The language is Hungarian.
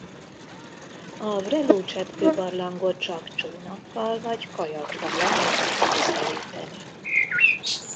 A Vrelo-cseppkőbarlangot csak csónakkal vagy kajakkal lehet megközelíteni.